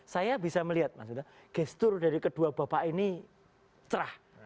saya bisa melihat mas yuda gestur dari kedua bapak ini cerah